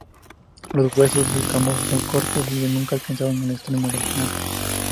Los huesos escamosos son cortos y nunca alcanzan el extremo del volante.